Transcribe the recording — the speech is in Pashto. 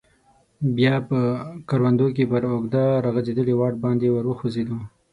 بیا په کروندو کې پر اوږده راغځیدلي واټ باندې ور وخوځیدو.